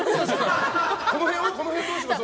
この辺、どうします？